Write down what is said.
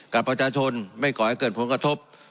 กับประชาชนไม่ก่อให้เกิดผลกระทบ